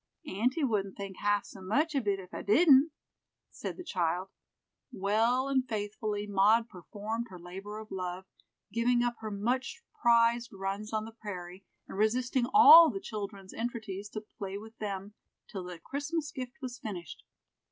"Aunty wouldn't think half so much of it if I didn't," said the child. Well and faithfully Maud performed her labor of love, giving up her much prized runs on the prairie, and resisting all the children's entreaties to play with them, till the Christmas gift was finished.